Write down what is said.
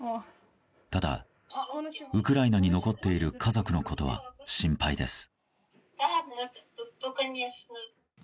ただ、ウクライナに残っている家族のことは心配です。